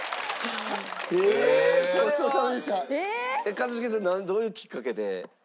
一茂さんどういうきっかけで？